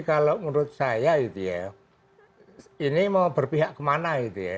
kalau menurut saya ini mau berpihak kemana